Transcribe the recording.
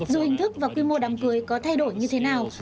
dù hình thức và quy mô đám cưới có thay đổi như thế nào